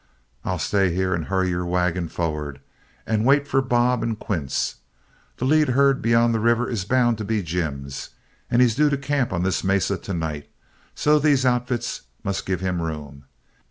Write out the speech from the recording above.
I'll stay here and hurry your wagon forward, and wait for Bob and Quince. That lead herd beyond the river is bound to be Jim's, and he's due to camp on this mesa to night, so these outfits must give him room.